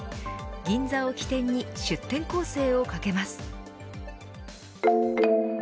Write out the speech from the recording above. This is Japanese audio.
銀座を起点に出店攻勢をかけます。